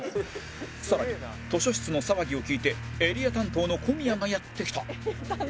更に図書室の騒ぎを聞いてエリア担当の小宮がやって来た